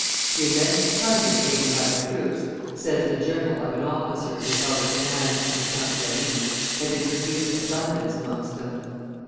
"The immense plunder taken by the troops," says the journal of an officer who held a command under Count Lally, "had introduced abundance amongst them.